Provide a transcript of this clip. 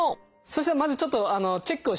そしたらまずちょっとチェックをします。